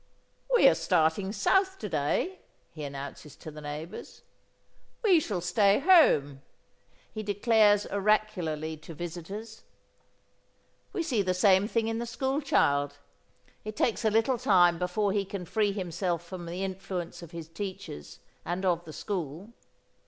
"We are starting south to day," he announces to the neighbours. "We shall stay home," he declares oracularly to visitors. We see the same thing in the school child. It takes a little time before he can free himself from the influence of his teachers and of the school.